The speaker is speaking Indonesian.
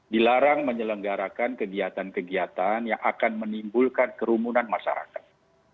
dilarang menyelenggarakan kegiatan kegiatan yang akan menimbulkan kerumunan masyarakat